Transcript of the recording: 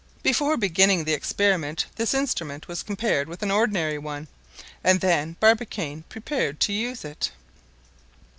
Before beginning the experiment, this instrument was compared with an ordinary one, and then Barbicane prepared to use it.